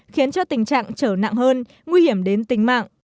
khiến cho tình trạng trở nặng hơn nguy hiểm đến tính mạng